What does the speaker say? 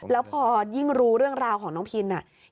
แล้วพอยิ่งรู้เรื่องราวของน้องพิน